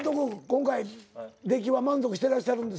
今回出来は満足してらっしゃるんですか？